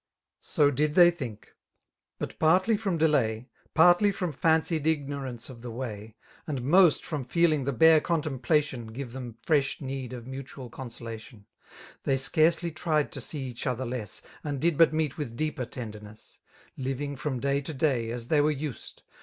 So did they think ;— ^but partly from delay. Partly from fancied ignorance of the way. And most from fe^ng the bare contemplatien Give them fresh need of mutual consolation,' They scarcely tried to see each other less. And did but meet vfdth deejper tenderness, Xiiving, from day to day, as they were used.